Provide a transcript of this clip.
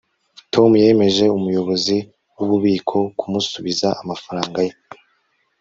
tom yemeje umuyobozi wububiko kumusubiza amafaranga ye